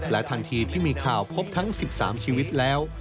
ทันทีที่มีข่าวพบทั้ง๑๓ชีวิตแล้ว